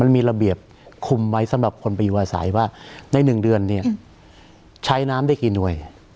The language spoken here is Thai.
มีระเบียบคุมไว้สำหรับคนไปอยู่อาศัยว่าใน๑เดือนเนี่ยใช้น้ำได้กี่หน่วย